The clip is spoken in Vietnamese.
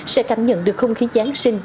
sẽ cảm nhận được không khí giáng sinh